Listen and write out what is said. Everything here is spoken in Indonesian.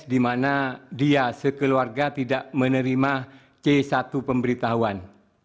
di mana dia sekeluarga tidak menerima c satu pemberitahuan